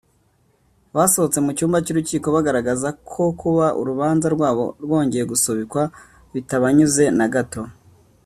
basohotse mu cyumba cy’urukiko bagaragaza ko kuba urubanza rwabo rwongeye gusubikwa bitabanyuze na gato